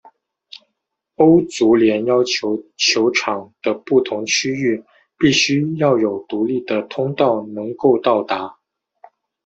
欧足联要求球场的不同区域必须要有独立的通道能够到达。